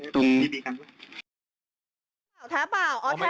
แท้ป่าวอ๋อแท้ด้วยไม่แท้